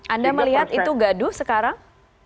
anda melihat itu gaduh sekarang